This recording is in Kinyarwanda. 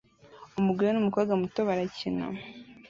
Umugore n'umukobwa muto barakina